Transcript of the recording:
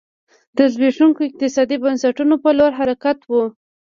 د زبېښونکو اقتصادي بنسټونو په لور حرکت و.